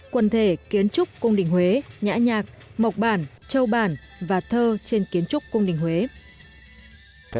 quần thể kiến trúc cung đình huế nhã nhạc mộc bản châu bản và thơ trên kiến trúc cung đình huế